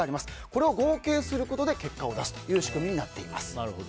これを合計することで結果を出すという仕組みになっています。